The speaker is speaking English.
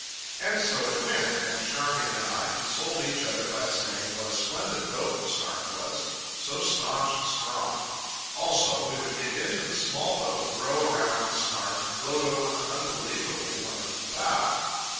And so it went, and Charmian and I consoled each other by saying what a splendid boat the Snark was, so staunch and strong; also, we would get into the small boat and row around the Snark, and gloat over her unbelievably wonderful bow.